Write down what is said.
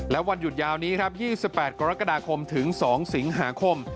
และวันหยุดยาวนี้ครับ๒๘กรกฎาคมถึง๒สิงหาคม